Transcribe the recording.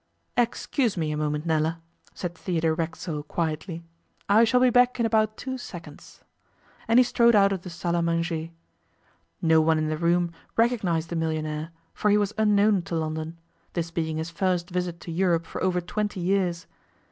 'Excuse me a moment, Nella,' said Theodore Racksole quietly, 'I shall be back in about two seconds,' and he strode out of the salle à manger. No one in the room recognized the millionaire, for he was unknown to London, this being his first visit to Europe for over twenty years.